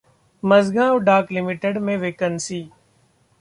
Majhgaon Dock Limited में vacancy